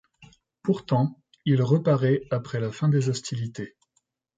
Pourtant, il reparaît après la fin des hostilités.